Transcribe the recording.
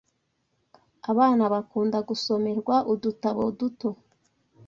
Abana bakunda gusomerwa udutabo duto